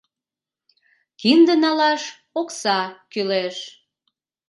Кинде налаш окса кӱлеш.